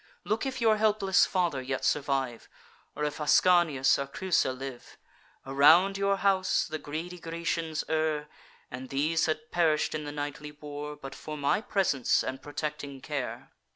Look if your helpless father yet survive, Or if Ascanius or Creusa live. Around your house the greedy Grecians err; And these had perish'd in the nightly war, But for my presence and protecting care.